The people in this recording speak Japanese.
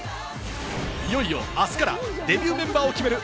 いよいよあすからデビューメンバーを決める